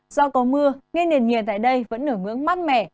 do có mưa nên nền nhiệt tại đây vẫn nở ngưỡng mắt mẻ